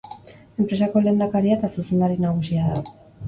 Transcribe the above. Enpresako lehendakaria eta zuzendari nagusia da.